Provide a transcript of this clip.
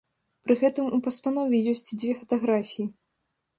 Пры гэтым у пастанове ёсць дзве фатаграфіі.